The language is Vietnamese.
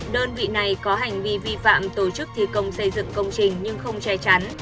đơn vị này có hành vi vi phạm tổ chức thi công xây dựng công trình nhưng không che chắn